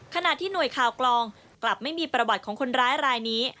ขณะที่หน่วยข่าวกลองกลับไม่มีประวัติของคนร้ายรายนี้